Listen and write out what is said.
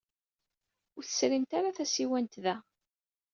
Ur tserrimt ara tasiwant da.